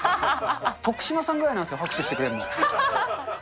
徳島さんぐらいなんですよ、拍手してくれるの。